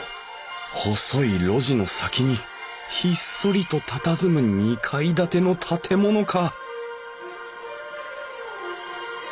細い路地の先にひっそりとたたずむ２階建ての建物か！